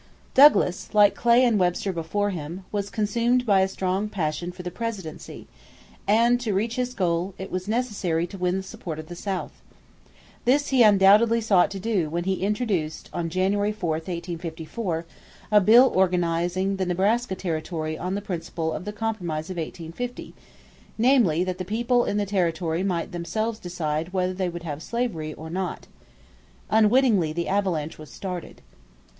Douglas, like Clay and Webster before him, was consumed by a strong passion for the presidency, and, to reach his goal, it was necessary to win the support of the South. This he undoubtedly sought to do when he introduced on January 4, 1854, a bill organizing the Nebraska territory on the principle of the Compromise of 1850; namely, that the people in the territory might themselves decide whether they would have slavery or not. Unwittingly the avalanche was started.